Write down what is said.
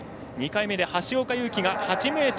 ２回目で橋岡優輝が８ｍ２７。